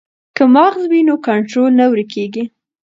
که مغز وي نو کنټرول نه ورکیږي.